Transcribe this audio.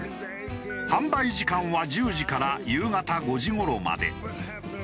販売時間は１０時から夕方５時頃まで。